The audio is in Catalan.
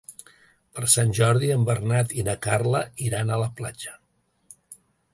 Per Sant Jordi en Bernat i na Carla iran a la platja.